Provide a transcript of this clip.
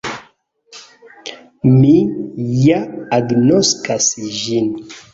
Mi ja agnoskas ĝin.